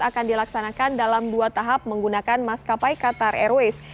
akan dilaksanakan dalam dua tahap menggunakan maskapai qatar airways